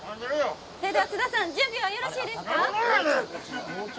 それでは津田さん準備はよろしいですか？